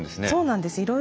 そうなんです。